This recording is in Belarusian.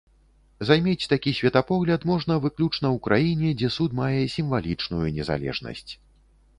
Займець такі светапогляд можна выключна ў краіне, дзе суд мае сімвалічную незалежнасць.